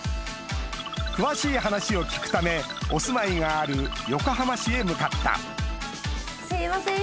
詳しい話を聞くためお住まいがある横浜市へ向かったすいません